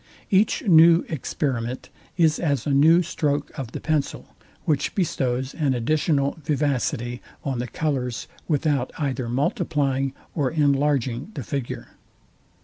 Each new experiment is as a new stroke of the pencil, which bestows an additional vivacity on the colours without either multiplying or enlarging the figure.